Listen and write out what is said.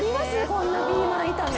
こんなピーマン炒め。